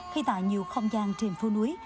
khi tại nhiều không gian trên phố núi